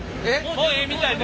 もうええみたいです。